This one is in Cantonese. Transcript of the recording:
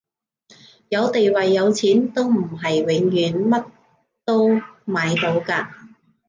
有地位有錢都唔係永遠乜都買到㗎